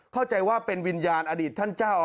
เข้าใจว่าเป็นวิญญาณอดีตท่านเจ้าอาวาส